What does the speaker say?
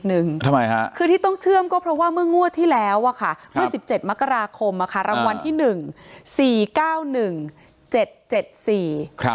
ภังตานะปล่อนดีออกไปทางกลางคืนแล้วเนี่ย